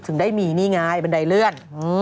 ที่นะคะนี่ลอศพได้เลย